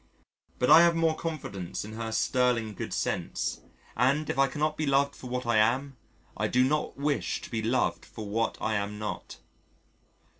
But I have more confidence in her sterling good sense, and if I cannot be loved for what I am, I do not wish to be loved for what I am not.